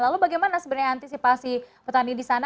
lalu bagaimana sebenarnya antisipasi petani di sana